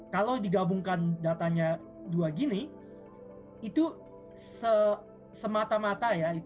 kalau digabungkan datanya dua gini itu semata mata ya